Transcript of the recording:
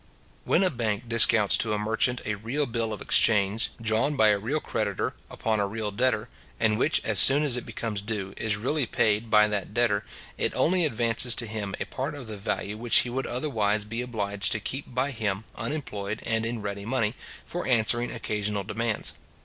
When a bank discounts to a merchant a real bill of exchange, drawn by a real creditor upon a real debtor, and which, as soon as it becomes due, is really paid by that debtor; it only advances to him a part of the value which he would otherwise be obliged to keep by him unemployed and in ready money, for answering occasional demands.